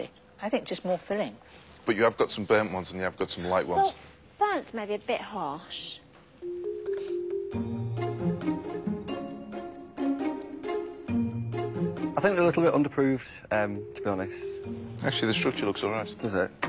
はい。